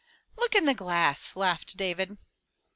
"Look in the glass!" laughed David.